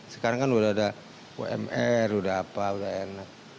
sekarang kan udah ada umr udah apa udah enak